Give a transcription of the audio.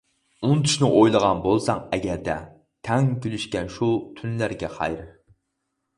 ئۇنتۇشنى ئويلىغان بولساڭ ئەگەردە، تەڭ كۈلۈشكەن شۇ تۈنلەرگە خەير.